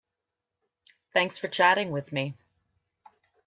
Thanks for chatting with me.